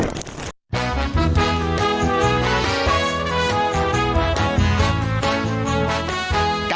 การทำกรยาศาสตร์เนี่ยต้องแข่งกับเวลาไปหมดเลยนะครับ